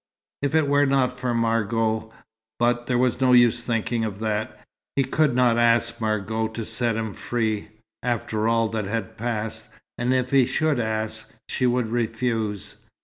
If it were not for Margot but there was no use thinking of that. He could not ask Margot to set him free, after all that had passed, and even if he should ask, she would refuse.